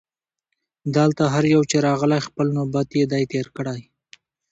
دلته هر یو چي راغلی خپل نوبت یې دی تېر کړی